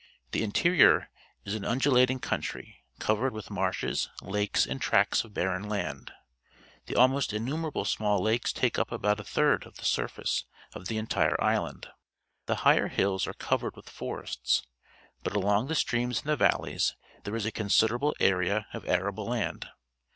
The interior is an undulating country, covered with marshes, lakes, and tracts of barren land. The almost innumerable small lakes take up about a third of the surface of the entire island. The higher hills are covered with forests, but along the streams in the valleys there is a considerable area of arable land.